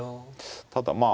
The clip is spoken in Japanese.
ただまあ